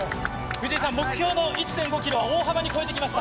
藤井さん、目標の１．５キロは大幅に超えてきました。